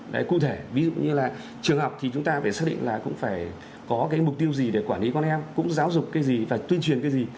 đấy cụ thể ví dụ như là trường học thì chúng ta phải xác định là cũng phải có cái mục tiêu gì để quản lý con em cũng giáo dục cái gì phải tuyên truyền cái gì